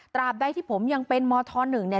ใดที่ผมยังเป็นมธ๑เนี่ย